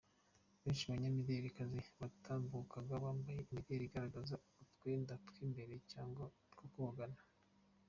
Benshi mu banyamidelikazi batambukaga bambaye imideli igaragaza utwenda tw'imbere cyangwa two kogana.